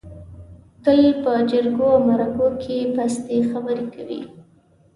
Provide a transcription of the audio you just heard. تل په جرګو او مرکو کې پستې خبرې کوي.